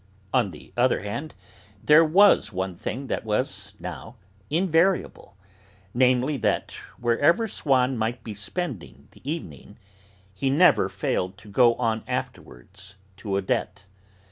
On the other hand, there was one thing that was, now, invariable, namely that wherever Swann might be spending the evening, he never failed to go on afterwards to Odette.